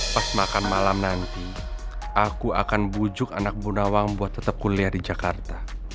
pas makan malam nanti aku akan bujuk anak bundawang buat tetap kuliah di jakarta